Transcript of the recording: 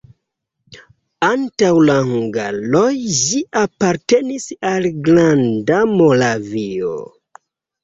Antaŭ la hungaroj ĝi apartenis al Granda Moravio.